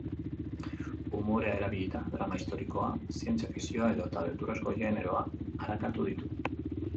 Umorea erabilita, drama historikoa, zientzia fikzioa edota beldurrezko generoa arakatu ditu.